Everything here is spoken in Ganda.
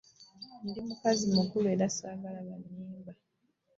Ndi mukazi mukulu era sagala banimba.